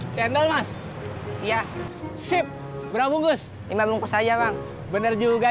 cendol mas iya sip berapa bungkus lima bungkus aja kan bener juga